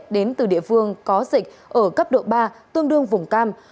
đến từ địa phương có dịch ở cấp độ ba tương đương vùng cam